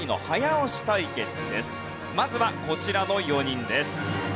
まずはこちらの４人です。